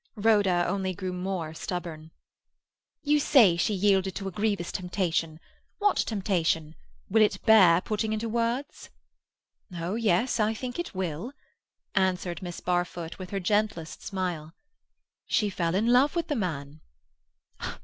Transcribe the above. Rhoda only grew more stubborn. "You say she yielded to a grievous temptation. What temptation? Will it bear putting into words?" "Oh yes, I think it will," answered Miss Barfoot, with her gentlest smile. "She fell in love with the man."